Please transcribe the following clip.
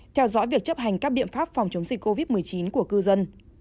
theo dõi việc chấp hành các biện pháp phòng chống dịch covid một mươi chín của cư dân